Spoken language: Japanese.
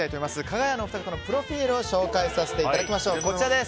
かが屋のお二人のプロフィールを紹介させていただきます。